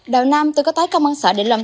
đầu năm tôi có tới công an xã định lâm